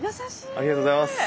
ありがとうございます。